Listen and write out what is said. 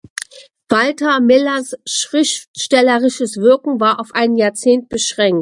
Walter Millers schriftstellerisches Wirken war auf ein Jahrzehnt beschränkt.